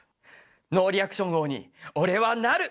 ノーリアクション王に俺はなる！